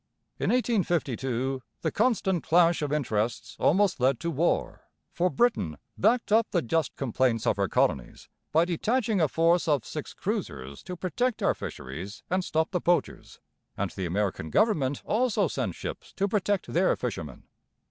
In 1852 the constant clash of interests almost led to war; for Britain backed up the just complaints of her colonies by detaching a force of six cruisers to protect our fisheries and stop the poachers, and the American government also sent ships to protect their fishermen.